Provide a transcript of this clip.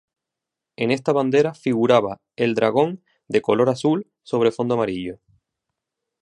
En esta bandera figuraba el dragón, de color azul, sobre fondo amarillo.